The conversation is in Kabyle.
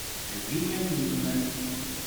Heggi iman-im!